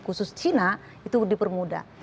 khusus cina itu dipermudah